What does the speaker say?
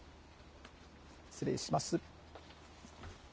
失礼します。